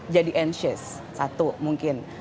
jadi anxious satu mungkin